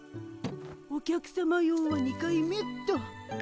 お客さま用は２回目っと。